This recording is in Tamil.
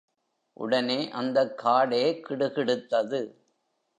உடனே அந்தக் காடே கிடுகிடுத்தது.